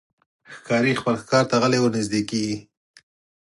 ښکاري خپل ښکار ته غلی ورنژدې کېږي.